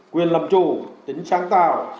quyền lập trụ tính sáng tạo